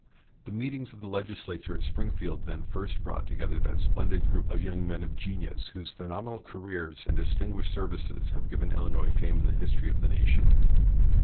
The meetings of the legislature at Springfield then first brought together that splendid group of young men of genius whose phenomenal careers and distinguished services have given Illinois fame in the history of the nation.